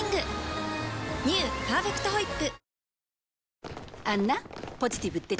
「パーフェクトホイップ」